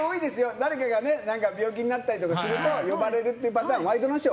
誰かが病気になったりとかすると呼ばれるってパターン『ワイドナショー』